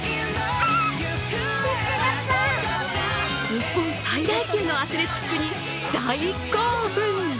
日本最大級のアスレチックに、大興奮！